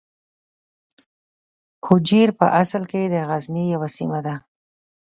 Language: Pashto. هجویر په اصل کې د غزني یوه سیمه ده.